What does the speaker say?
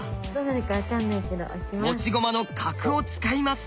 持ち駒の角を使います。